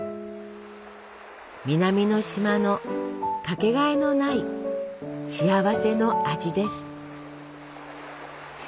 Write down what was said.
南の島の掛けがえのない幸せの味です。